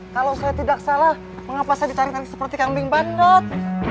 kalo saya tidak salah mengapa saya ditarik tarik seperti kambing bandut